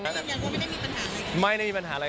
กินยาหรือยังก็ไม่ได้มีปัญหาอะไรกัน